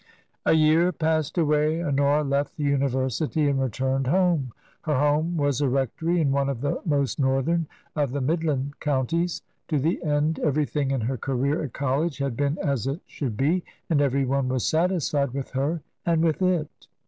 A year passed away. Honora left the University and returned home. Her home was a rectory in one of the most northern of the midland counties. To the end everything in her career at college had been as it should be, and everyone was satisfied with her and with it.